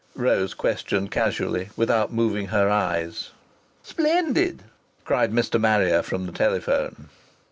Rose questioned casually, without moving her eyes. "Splendid!" cried Mr. Marrier from the telephone.